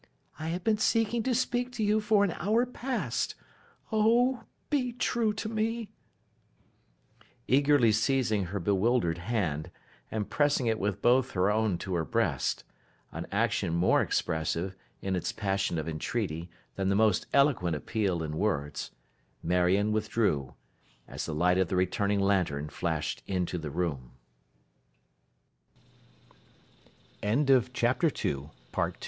'I have been seeking to speak to you for an hour past. Oh, be true to me!' Eagerly seizing her bewildered hand, and pressing it with both her own to her breast—an action more expressive, in its passion of entreaty, than the most eloquent appeal in words,—Marion withdrew; as the light of the returning l